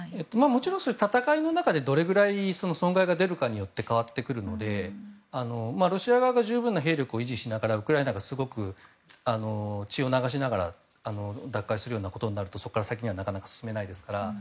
もちろん戦いの中でどれぐらい損害が出るかによって変わってくるのでロシア側が十分な兵力を維持しながらウクライナがすごく血を流しながら奪還するようなことになるとそこから先にはなかなか進めないですから。